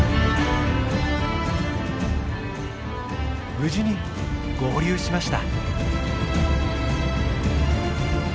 無事に合流しました。